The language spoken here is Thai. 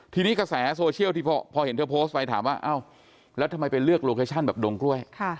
ทีนี้กระแสโซเชียลที่พอเห็นเธอโพสต์ไปถามว่าอ้าวแล้วทำไมไปเลือกโลเคชั่นแบบดงกล้วย